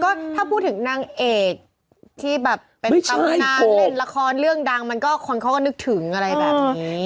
ก็ถ้าพูดถึงนางเอกที่แบบเป็นตำนานเล่นละครเรื่องดังมันก็คนเขาก็นึกถึงอะไรแบบนี้